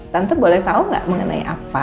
tante boleh tau gak mengenai apa